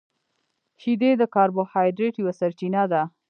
• شیدې د کاربوهایډریټ یوه سرچینه ده.